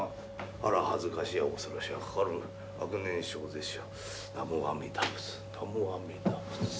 「あら恥ずかしや恐ろしやかかる悪念生ぜしや南無阿弥陀仏南無阿弥陀仏」。